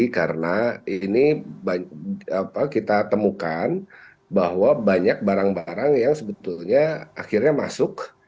karena ini kita temukan bahwa banyak barang barang yang sebetulnya akhirnya masuk